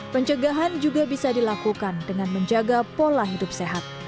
pencegahan juga bisa dilakukan dengan menjaga pola hidup sehat